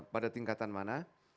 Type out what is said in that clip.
pada tingkatan mana